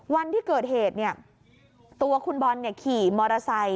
วันที่เกิดเหตุตัวคุณบอลขี่มอเตอร์ไซค